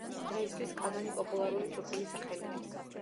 დღეისთვის კაგანი პოპულარული თურქული სახელია.